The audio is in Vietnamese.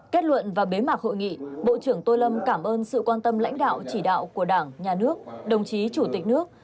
kết luận và bế mạc hội nghị bộ trưởng tô lâm cảm ơn sự quan tâm lãnh đạo chỉ đạo của đảng nhà nước đồng chí chủ tịch nước